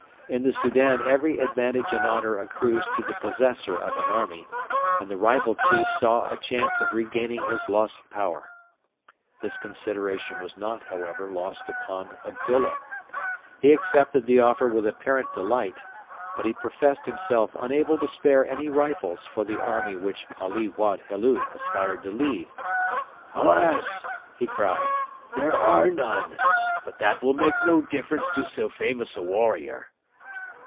In the Soudan every advantage and honour accrues to the possessor of an army, and the rival chief saw a chance of regaining his lost power. This consideration was not, however, lost upon Abdullah. He accepted the offer with apparent delight, but he professed himself unable to spare any rifles for the army which Ali Wad Helu aspired to lead. 'Alas!' he cried, 'there are none. But that will make no difference to so famous a warrior.'